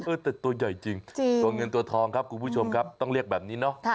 เออแต่ตัวใหญ่จริงตัวเงินตัวทองครับคุณผู้ชมครับต้องเรียกแบบนี้เนาะ